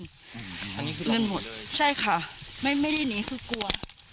เงินหมดใช่ค่ะไม่ไม่ได้หนีคือกลัว